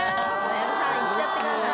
矢田さんいっちゃってください。